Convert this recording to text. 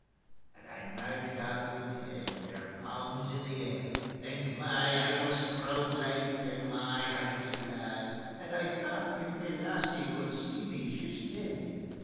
And I merched aff wi' ten, wi' their palms in the air, And my! I wis prood like, and my! I wis glad. And I thocht: if ma lassie could see me jist then.